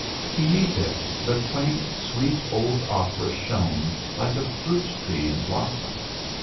Beneath it the quaint, sweet old opera shone like a fruit tree in blossom.